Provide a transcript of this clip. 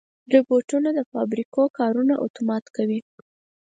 روبوټونه د فابریکو کارونه اتومات کوي.